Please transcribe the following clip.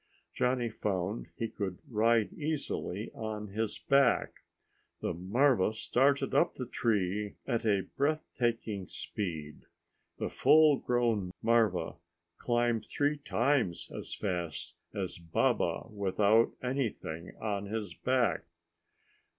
Johnny found he could ride easily on his back. The marva started up the tree at a breathtaking speed. The full grown marva climbed three times as fast as Baba could without anything on his back.